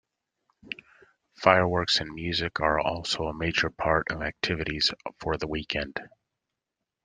Fireworks and music are also a major part of the activities for the weekend.